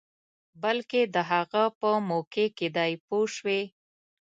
بلکې د هغه په موقع کې دی پوه شوې!.